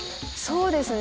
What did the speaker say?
そうですね。